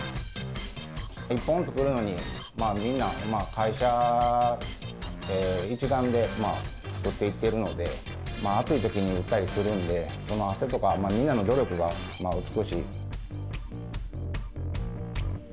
みんな、会社一丸で作っていってるので、熱いときに打ったりするんで、その汗とか、みんなの努力が美しい。